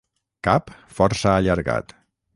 Cap força allargat.